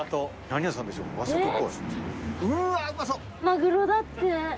マグロだって。